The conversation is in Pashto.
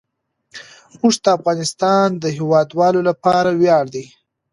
اوښ د افغانستان د هیوادوالو لپاره ویاړ دی.